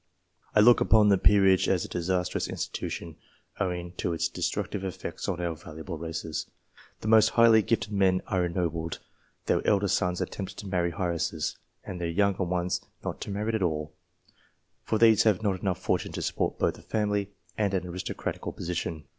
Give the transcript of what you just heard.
I look upon the peerage as a disastrous institution, owing to its destructive effects on our valuable races. The most highly gifted men are ennobled ; their elder sons are tempted to marry heiresses, and their younger ones not to marry at all, for these have not enough fortune to support both a family and an aristocratical position.